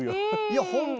いや本当に。